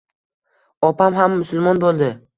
Opam ham musulmon bo‘ldi